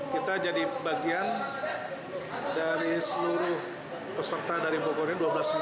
kita jadi bagian dari seluruh peserta dari bogor ini dua belas sembilan ratus